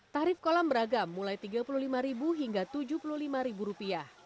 tarif kolam beragam mulai rp tiga puluh lima hingga rp tujuh puluh lima